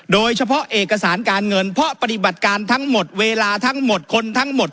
โดยเฉพาะเอกสารการเงินเพราะปฏิบัติการทั้งหมดเวลาทั้งหมดคนทั้งหมด